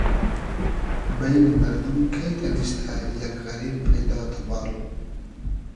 بݷنی مئردوم کݷ تئنیستۂ یئگ غئریب پݷدا تئبال